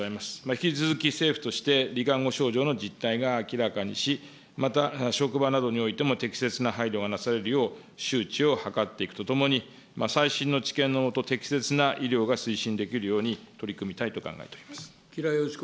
引き続き政府としてり患後症状の実態を明らかにし、また職場などにおいても適切な配慮がなされるよう、周知を図っていくとともに、最新の知見のもと、適切な医療が推進できるように取り組みたいと考えております。